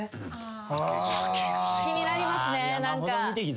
気になりますね何か。